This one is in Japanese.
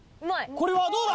これはどうだ？